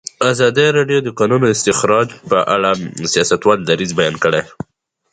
ازادي راډیو د د کانونو استخراج په اړه د سیاستوالو دریځ بیان کړی.